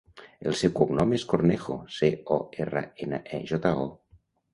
El seu cognom és Cornejo: ce, o, erra, ena, e, jota, o.